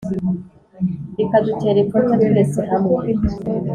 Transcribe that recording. bikadutera ipfunwe twese hamwe